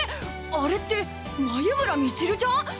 あれって眉村道塁ちゃん⁉